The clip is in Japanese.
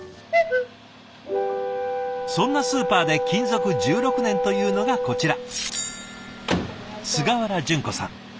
そんなスーパーで勤続１６年というのがこちら菅原順子さん。